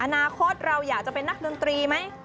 อนาคตเราอยากจะเป็นนักดนตรีไหม